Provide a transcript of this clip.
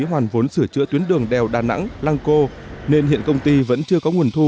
hoàn vốn sửa chữa tuyến đường đèo đà nẵng lăng cô nên hiện công ty vẫn chưa có nguồn thu